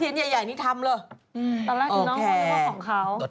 อ๋อเทียนใหญ่นี่ทำเหรอตอนแรกน้องพ่อนึกว่าของเขา